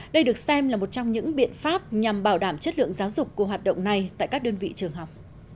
các em là một trong những biện pháp nhằm bảo đảm chất lượng giáo dục của hoạt động này tại các đơn vị trường học